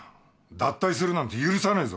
脱退するなんて許さないぞ。